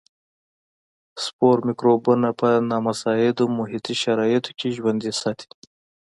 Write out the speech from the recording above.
سپور مکروبونه په نامساعدو محیطي شرایطو کې ژوندي ساتي.